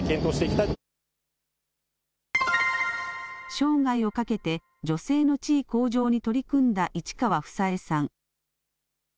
生涯をかけて女性の地位向上に取り組んだ市川房枝さん。